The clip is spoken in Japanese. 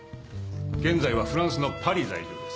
現在はフランスのパリ在住です。